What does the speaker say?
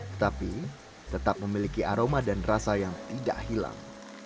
tetapi tetap memiliki aroma dan rasa yang tidak hilang